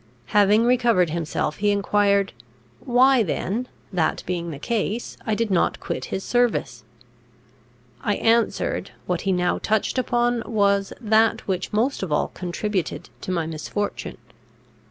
Having recovered himself, he enquired, why then, that being the case, I did not quit his service? I answered, what he now touched upon was that which most of all contributed to my misfortune.